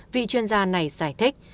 vị chuyên gia này giải thích